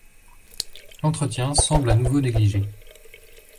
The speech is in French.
L'entretien semble à nouveau négligé.